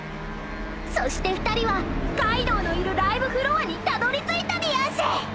［そして２人はカイドウのいるライブフロアにたどりついたでやんす］